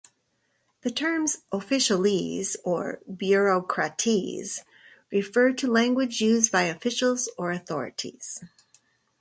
The terms "officialese" or "bureaucratese" refer to language used by officials or authorities.